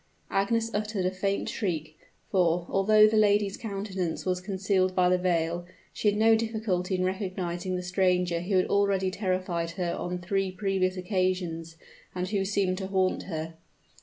Agnes uttered a faint shriek: for, although the lady's countenance was concealed by the veil, she had no difficulty in recognizing the stranger who had already terrified her on three previous occasions, and who seemed to haunt her.